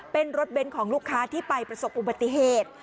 เป็นรถเบนท์ของลูกค้าที่ไปประสบอุบัติเหตุ